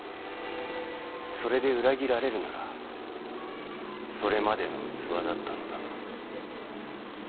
それで裏切られるならそれまでの器だったのだと。